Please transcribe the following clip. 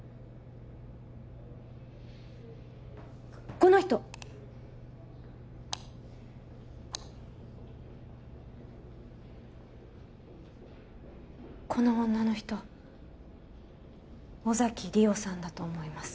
この人この女の人尾崎莉桜さんだと思います